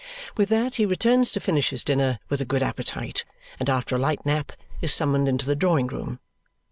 With that he returns to finish his dinner with a good appetite, and after a light nap, is summoned into the drawing room.